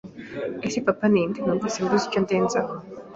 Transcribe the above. Ese papa ni nde? Numvise mbuze icyo ndenzaho